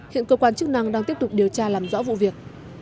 hiện cơ quan chức năng đang tiếp tục điều tra làm rõ vụ việc